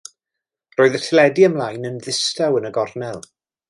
Roedd y teledu ymlaen yn ddistaw yn y gornel.